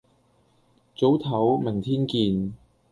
早唞，明天見